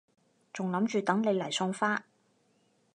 仲諗住等你嚟送花